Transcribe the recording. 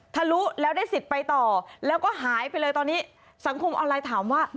ทะลุแล้วได้สิทธิ์ไปต่อแล้วก็หายไปเลยตอนนี้สังคมออนไลน์ถามว่า